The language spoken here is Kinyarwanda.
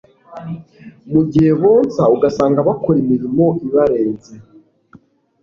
mu gihe bonsa usanga bakora imirimo ibarenze